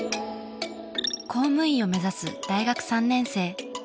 公務員を目指す大学３年生。